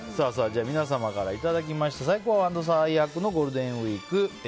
皆様からいただきました最高＆最悪のゴールデンウィーク。